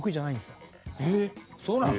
そうなの？